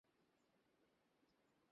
দ্বিগুণ উৎসাহের সহিত বলিলেন, দীক্ষা!